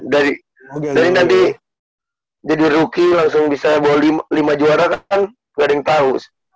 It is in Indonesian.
dari nanti jadi rookie langsung bisa bawa lima juara kan gak ada yang tahu